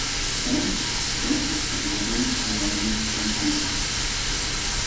Он тотчас потребовал каналью француза.